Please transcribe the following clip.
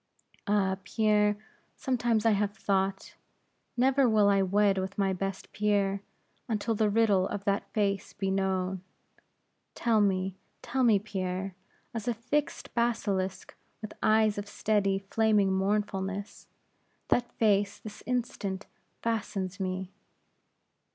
Ah, Pierre, sometimes I have thought, never will I wed with my best Pierre, until the riddle of that face be known. Tell me, tell me, Pierre; as a fixed basilisk, with eyes of steady, flaming mournfulness, that face this instant fastens me."